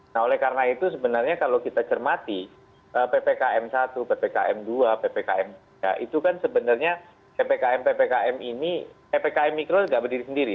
nah oleh karena itu sebenarnya kalau kita cermati ppkm satu ppkm dua ppkm tiga itu kan sebenarnya ppkm ppkm ini ppkm mikro tidak berdiri sendiri